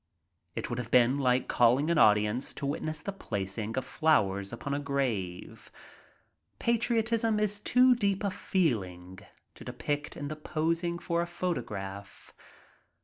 It would have been like calling an audience OFF TO EUROPE 23 to witness the placing of flowers upon a grave. Patriotism is too deep a feeling to depict in the posing for a photo graph.